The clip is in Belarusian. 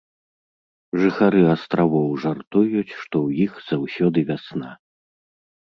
Жыхары астравоў жартуюць, што ў іх заўсёды вясна.